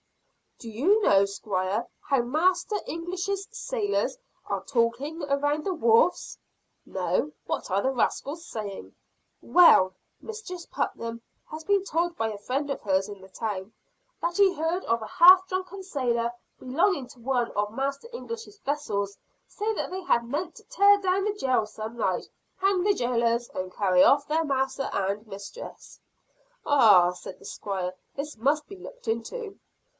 "Do you know, Squire, how Master English's sailors are talking around the wharves?" "No! What are the rascals saying?" "Well, Mistress Putnam has been told by a friend of hers in the town, that he heard a half drunken sailor, belonging to one of Master English's vessels, say that they meant to tear down the jail some night, hang the jailers, and carry off their Master and Mistress." "Ah," said the Squire, "this must be looked into."